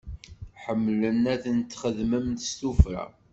Ḥemmlen ad tent-xedmen s tufra.